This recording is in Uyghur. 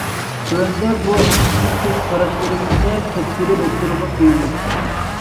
تۆۋەندە بۇ ھەقتىكى كۆز قاراشلىرىمىزنى تەپسىلىي ئوتتۇرىغا قويىمىز.